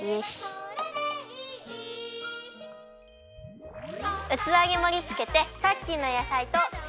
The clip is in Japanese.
うつわにもりつけてさっきのやさいとひき肉をのせるよ！